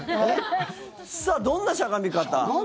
さあ、どんなしゃがみ方？